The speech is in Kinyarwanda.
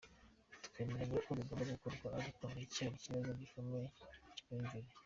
Twemeranya ku bigomba gukorwa ariko haracyari ikibazo gikomeye cy’imyumvire.”